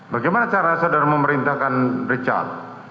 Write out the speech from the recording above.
bagaimana cara saudara memerintahkan richard